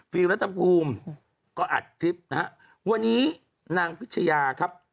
ฟิล์มรัฐบูรณ์ก็อัดคลิปนะครับวันนี้นางพิชญาครับ